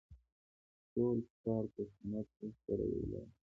ټول کفار پښتنو ته سره یو لاس شوي.